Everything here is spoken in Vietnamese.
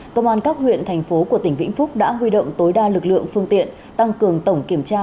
công an các huyện thành phố của tỉnh vĩnh phúc đã huy động tối đa lực lượng phương tiện tăng cường tổng kiểm tra